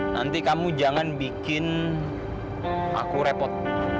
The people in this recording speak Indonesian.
nanti kamu jangan bikin aku repot